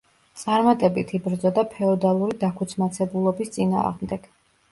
წარმატებით იბრძოდა ფეოდალური დაქუცმაცებულობის წინააღმდეგ.